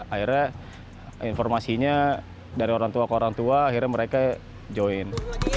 akhirnya informasinya dari orang tua ke orang tua akhirnya mereka join